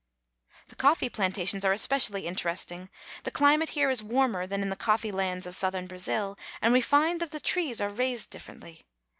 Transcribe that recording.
The coffee plantations are especially interesting. The climate here is warmer than in the coffee lands of southern Brazil, and we find that the trees are raised differently.